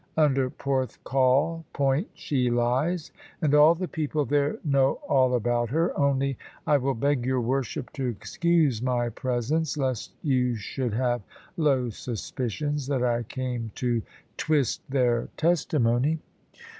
Under Porthcawl Point she lies; and all the people there know all about her. Only, I will beg your worship to excuse my presence, lest you should have low suspicions that I came to twist their testimony."